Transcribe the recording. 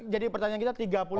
jadi pertanyaan kita tiga puluh enam